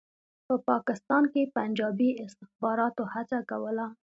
په پاکستان کې پنجابي استخباراتو هڅه کوله.